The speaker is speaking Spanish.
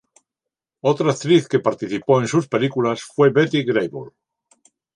Otra actriz que participó en sus películas fue Betty Grable.